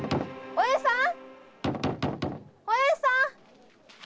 お栄さん！